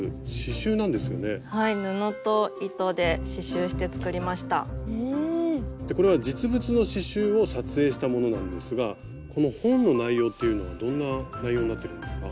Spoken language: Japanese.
そしてこれは実物の刺しゅうを撮影したものなんですがこの本の内容っていうのはどんな内容になってるんですか？